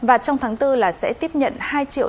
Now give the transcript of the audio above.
và trong tháng bốn là sẽ tiếp nhận